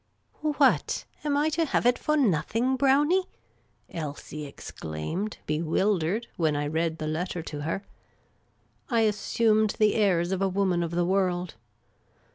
" What? Am I to have it for nothing, Hrewnie ?" Elsie exclaimed, bewildered, when I read the letter to her. I assumed the airs of a woman of the world.